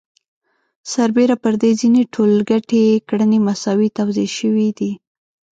سربېره پر دې ځینې ټولګټې کړنې مساوي توزیع شوي دي